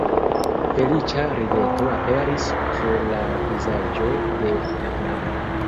Feliĉa rideto aperis sur la vizaĝo de la knabo